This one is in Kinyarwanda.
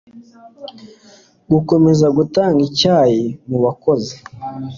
gukomeza gutanga icyayi mubakozi